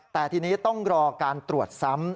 แต่ทีนี้ต้องรอการตรวจซ้ำ